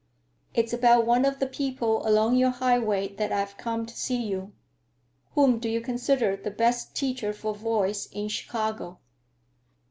It's about one of the people along your highway that I've come to see you. Whom do you consider the best teacher for voice in Chicago?"